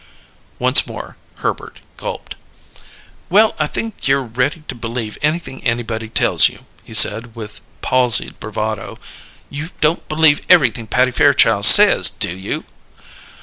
Once more Herbert gulped. "Well, I guess you're ready to believe anything anybody tells you," he said, with palsied bravado. "You don't believe everything Patty Fairchild says, do you?"